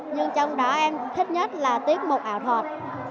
nhưng trong đó em thích nhất là tiết mục ảo thuật